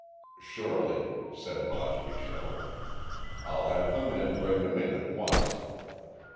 "Surely," said Bosbyshell. "I'll have the men bring them in at once."